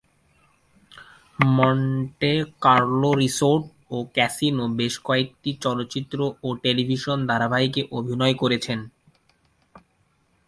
Monte Carlo resort ও casino বেশ কয়েকটি চলচ্চিত্র ও টেলিভিশন ধারাবাহিকে অভিনয় করেছেন।